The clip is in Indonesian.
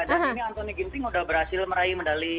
dan ini anthony ginting sudah berhasil meraih medali perang